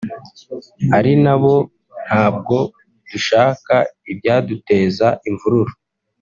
ari nabo ntabwo dushaka ibyaduteza imvururu